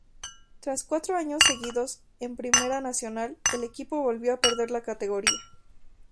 Tras cuatro años seguidos en Primera Nacional, el equipo volvió a perder la categoría.